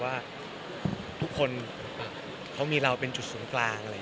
ไม่ผมบอกให้เค้าแพ็คให้แล้ว